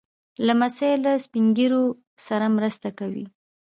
لمسی له سپين ږیرو سره مرسته کوي.